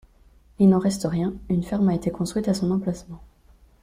Il n'en reste rien, une ferme a été construite à son emplacement.